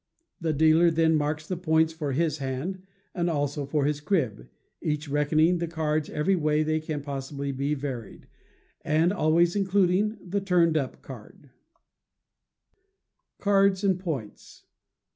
The dealer then marks the points for his hand, and also for his crib, each reckoning the cards every way they can possibly be varied, and always including the turned up card. Points.